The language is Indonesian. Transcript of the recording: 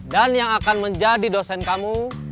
dan yang akan menjadi dosen kamu